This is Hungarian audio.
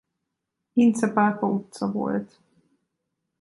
Ince pápa utca volt.